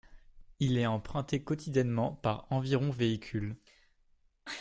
Il est emprunté quotidiennement par environ véhicules.